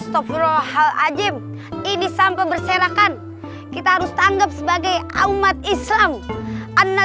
astagfirullahaladzim ini sampai berserakan kita harus tanggap sebagai umat islam anna